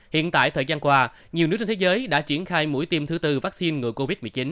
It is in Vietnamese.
hiện tại thời gian qua nhiều nước trên thế giới đã triển khai mũi tiêm thứ tư vaccine ngừa covid một mươi chín